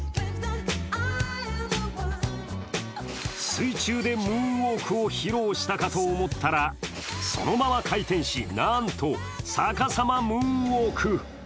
水中でムーンウォークを披露したかと思ったらそのまま回転し、なんと逆さまムーンウォーク。